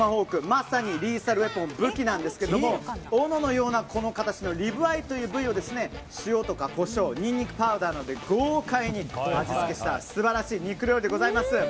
まさにリーサルウェポン武器なんですけどリブアイという部位を塩とかコショウニンニクパウダーなどで豪快に味付けした素晴らしい肉料理でございます。